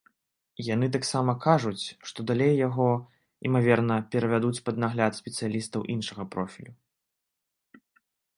Яны таксама кажуць, што далей яго, імаверна, перавядуць пад нагляд спецыялістаў іншага профілю.